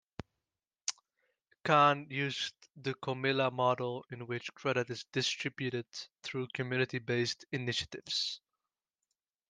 Khan used the Comilla Model, in which credit is distributed through community-based initiatives.